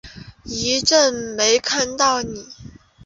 一阵子没看到妳